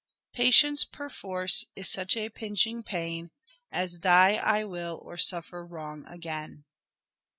Patience perforce is such a pinching pain, As die I will or suffer wrong again."